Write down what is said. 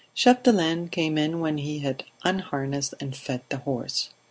Chapdelaine came in when he had unharnessed and fed the horse.